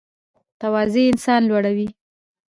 تواضع انسان لوړوي